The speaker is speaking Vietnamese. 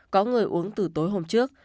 có người uống từ tối hôm trước